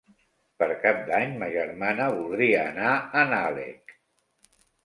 Per Cap d'Any ma germana voldria anar a Nalec.